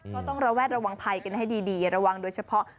ก็ต้องระแวดระวังภัยกันให้ดีระวังโดยเฉพาะ